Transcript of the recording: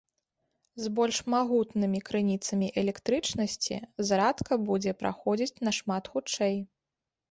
З больш магутнымі крыніцамі электрычнасці зарадка будзе праходзіць нашмат хутчэй.